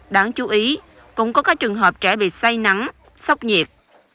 đáng chú ý cũng có các trường hợp trẻ bị say nắng sốc nhiệt